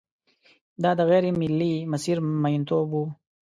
دا د غېر ملي مسیر میینتوب و.